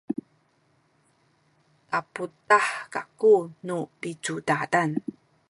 taputah kaku nu picudadan